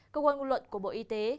cơ quan ngôn luận của bộ y tế các bạn nhé